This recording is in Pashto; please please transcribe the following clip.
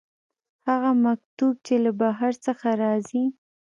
هغه مکتوب چې له بهر څخه راځي.